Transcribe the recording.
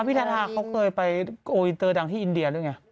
พระพิทธาเค้าเคยไปโบราษีอินเตอร์ดังที่อินเดียหรือยังไง